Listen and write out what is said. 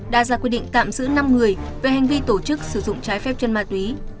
đã ra quy định tạm giữ năm người về hành vi tổ chức sử dụng trái phép chân ma túy